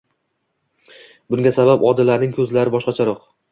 bunga sabab Odilaning ko'zlari boshqacharoq